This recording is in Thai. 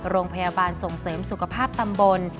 โรงพยาบาลส่งเสริมสุขภาพตำบล